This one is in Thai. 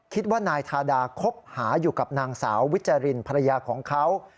คิดว่านายทาดาคบหาอยู่กับนางสาววิจารินภรรยาของเขา